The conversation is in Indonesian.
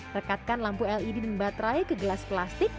rekatkan lampu led dan baterai ke gelas plastik